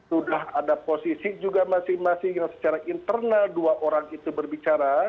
sudah ada posisi juga masing masing yang secara internal dua orang itu berbicara